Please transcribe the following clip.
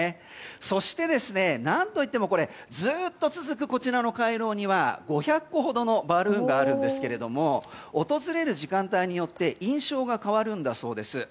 そして、何といってもずっと続くこちらの回廊には５００個ほどのバルーンがあるんですが訪れる時間帯によって印象が変わるんだそうです。